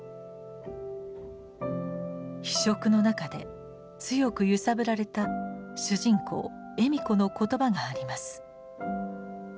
「非色」の中で強く揺さぶられた主人公笑子の言葉があります。